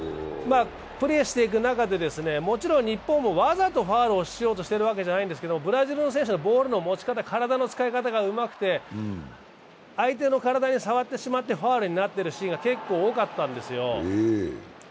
プレーしていく中でもちろん日本もわざとファウルをしようとしているわけではないんですけどブラジルの選手のボールの持ち方、体の使い方がうまくて、相手の体に触ってしまってファウルになっているシーンが結構多かったんですよ。